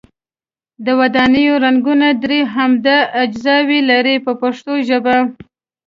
د ودانیو رنګونه درې عمده اجزاوې لري په پښتو ژبه.